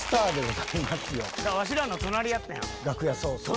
わしらの隣やったやん。